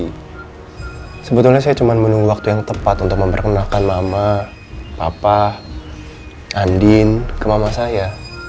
tapi sebetulnya saya cuma menunggu waktu yang tepat untuk memperkenalkan mama papa andin ke mama saya